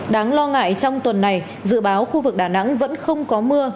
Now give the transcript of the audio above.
đáng lo ngại trong tuần này dự báo khu vực đà nẵng vẫn không có mưa